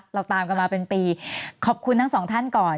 เราตามกันมาเป็นปีขอบคุณทั้งสองท่านก่อน